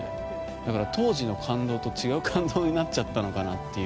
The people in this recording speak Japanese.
だから、当時の感動と違う感動になっちゃったのかなという。